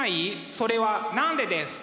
それは何でですか？